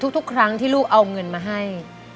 ทุกครั้งที่ลูกเอาเงินมาให้